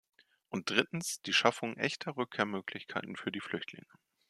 Und drittens die Schaffung echter Rückkehrmöglichkeiten für die Flüchtlinge.